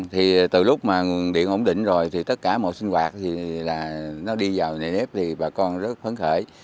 thì từ lúc mà nguồn điện ổn định rồi thì tất cả mọi sinh hoạt thì nó đi vào nền ép thì bà con rất hấn khởi